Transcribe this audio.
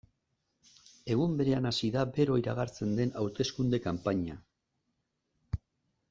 Egun berean hasi da bero iragartzen den hauteskunde kanpaina.